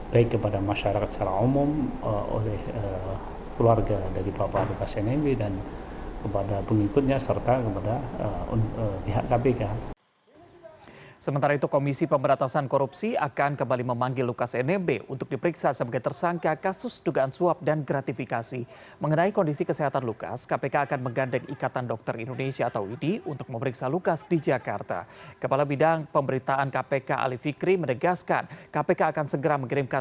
baik kepada masyarakat secara umum oleh keluarga dari bapak lukas nmp dan kepada pengikutnya